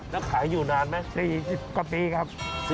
แล้วขายอยู่นานไหม๔๐กว่าปีครับ